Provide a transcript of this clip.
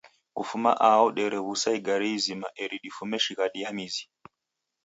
Kufuma aho derew'usa igare izima eri difume shighadi ya mizi.